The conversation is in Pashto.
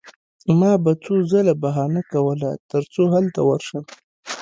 ما به څو ځله بهانه کوله ترڅو هلته ورشم